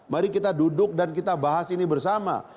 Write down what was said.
mari kita duduk dan kita bahas ini bersama